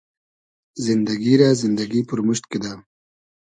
زیندئگی رۂ زیندئگی پورمورشت کیدۂ